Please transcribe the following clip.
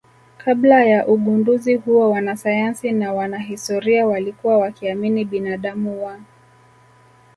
Kabla ya ugunduzi huo wanasayansi na wanahistoria walikuwa wakiamini binadamu wa